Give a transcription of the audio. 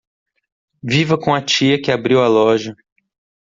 Viva com a tia que abriu a loja